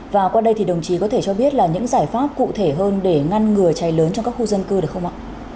và qua đây thì đồng chí có thể cho biết là những giải pháp cụ thể hơn để ngăn ngừa cháy lớn trong các khu dân cư được không ạ